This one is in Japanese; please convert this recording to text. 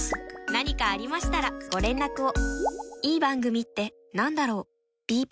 何かありましたらご連絡を。